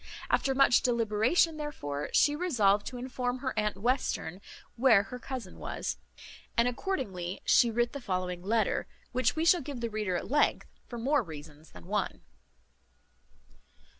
After much deliberation, therefore, she resolved to inform her aunt Western where her cousin was, and accordingly she writ the following letter, which we shall give the reader at length, for more reasons than one.